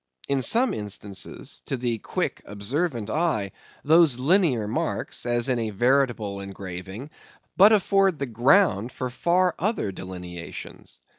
In some instances, to the quick, observant eye, those linear marks, as in a veritable engraving, but afford the ground for far other delineations.